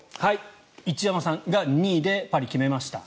一山さんが２位でパリを決めました。